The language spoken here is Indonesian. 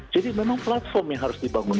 jadi memang platform yang harus dibangun